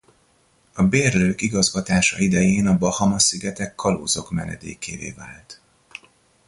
A bérlők igazgatása idején a Bahama-szigetek kalózok menedékévé vált.